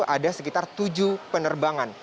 ada sekitar tujuh penerbangan